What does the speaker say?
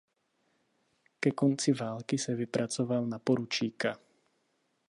Ke konci války se vypracoval na poručíka.